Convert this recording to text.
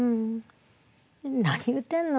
「何言うてんの。